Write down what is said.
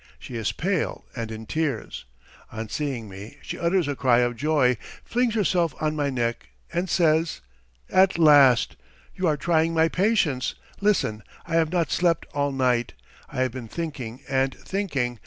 She is pale and in tears. On seeing me she utters a cry of joy, flings herself on my neck, and says: "At last! You are trying my patience. ... Listen, I have not slept all night. ... I have been thinking and thinking. ...